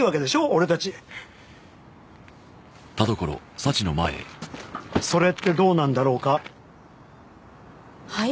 俺たちそれってどうなんだろうかはい？